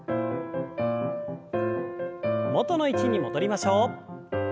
元の位置に戻りましょう。